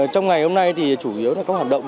trong ngày hôm nay thì chủ yếu là các hoạt động